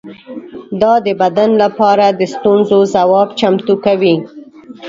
دا د بدن لپاره د ستونزو ځواب چمتو کوي.